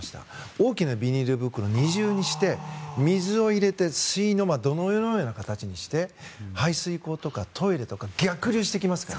大きなビニール袋を二重にして水を入れて水嚢土嚢のような形にして排水溝とかトイレとか逆流してきますから。